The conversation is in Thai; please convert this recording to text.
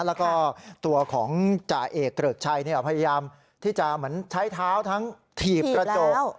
แล้วก็ตัวของจ่าเอกเกริกชัยพยายามที่จะเหมือนใช้เท้าทั้งถีบกระจก